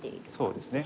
そうですね。